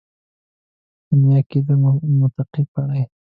په دنیا کې دې متقي کړي